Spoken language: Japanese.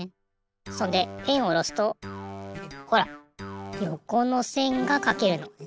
そんでペンをおろすとほらよこのせんがかけるの。